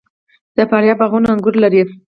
د فاریاب باغونه انګور لري.